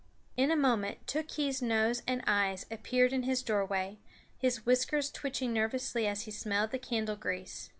In a moment Tookhees' nose and eyes appeared in his doorway, his whiskers twitching nervously as he smelled the candle grease.